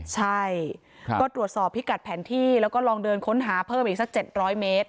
ใช่ก็ตรวจสอบพิกัดแผนที่แล้วก็ลองเดินค้นหาเพิ่มอีกสัก๗๐๐เมตร